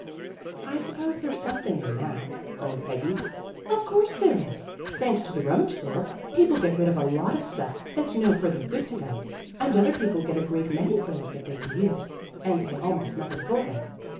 "I suppose there's something in that," owned Peggy. "Of course there is. Thanks to the rum mage sales, people get rid of a lot of stuff that's no further good to them; and other people get a great many things that they can use, and pay almost nothing for them."